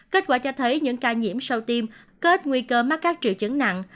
kết quả cho thấy những ca nhiễm sau tiêm có ít nguy cơ mắc các triệu chứng nặng